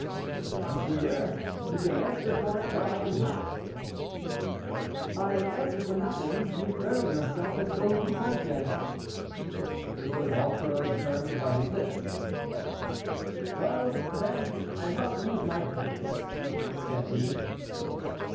"Monseigneur, you can answer for it that I am not." "I answer for nothing; you bury yourself as though you were dead." It was Monsoreau's turn to bite his lips. "Well, then, I must lose my place," said he.